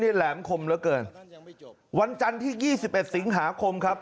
นี่แหลมคมเหลือเกินวันจันที่๒๑สิงหาคมครับ